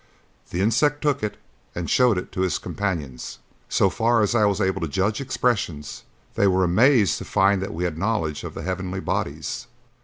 The insect took it and showed it to his companions; so far as I was able to judge expressions, they were amazed to find that we had knowledge of the heavenly bodies.